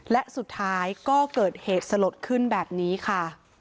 และสุดท้ายก็เกิดเหตุสลดขึ้นแบบนี้ค่ะ